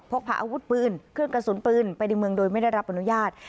กพาอาวุธปืนเครื่องกระสุนปืนไปในเมืองโดยไม่ได้รับอนุญาต